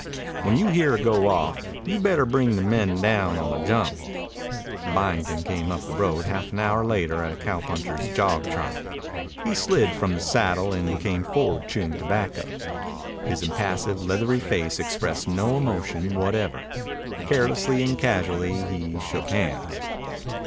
"When you hear her go off, you'd better bring the men down on the jump." Byington came up the road half an hour later at a cowpuncher's jog trot. He slid from the saddle and came forward chewing tobacco. His impassive, leathery face expressed no emotion whatever. Carelessly and casually he shook hands.